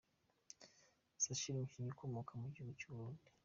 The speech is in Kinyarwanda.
Sashiri umukinnyi ukomoka mu gihugu cy’uburundi